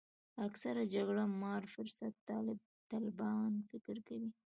اکثره جګړه مار فرصت طلبان فکر کوي.